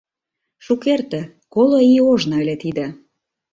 ...Шукерте, коло ий ожно, ыле тиде.